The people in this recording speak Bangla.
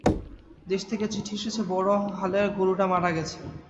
দেশ থেকে চিঠি এসেছে বড়ো হালের গোরুটা মারা গেছে।